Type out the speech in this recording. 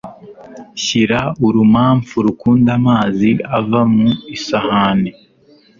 Shyira urumamfu rukunda amazi ava mu isahani